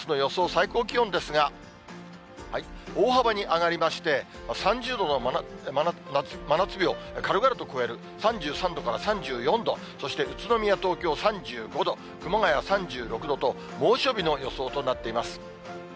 最高気温ですが、大幅に上がりまして、３０度の真夏日を軽々と超える３３度から３４度、そして宇都宮、東京３５度、熊谷３６度と、猛暑日の予想となっています。